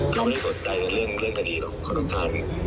เขาไม่ได้สนใจเรื่องตัวอีกหรอก